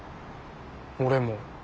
俺も。